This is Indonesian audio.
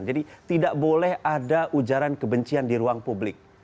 jadi tidak boleh ada ujaran kebencian di ruang publik